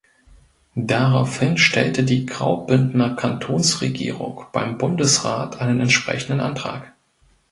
Daraufhin stellte die Graubündner Kantonsregierung beim Bundesrat einen entsprechenden Antrag.